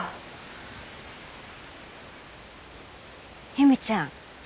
由美ちゃん